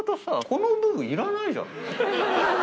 この部分いらないじゃん。